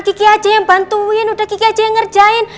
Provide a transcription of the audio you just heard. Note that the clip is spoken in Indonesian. kiki aja yang bantuin udah kiki aja yang ngerjain